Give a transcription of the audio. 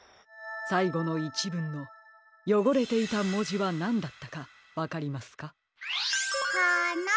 さいごのいちぶんのよごれていたもじはなんだったかわかりますか？